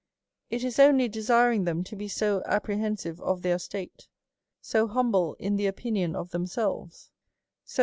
It is only desiring them to be so apprehensive of their state, so humble in the opinion of themselves^ so DEVOUT AND HOLY LIFE.